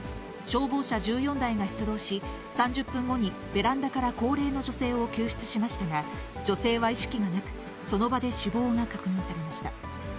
消防車１４台が出動し、３０分後にベランダから高齢の女性を救出しましたが、女性は意識がなく、その場で死亡が確認されました。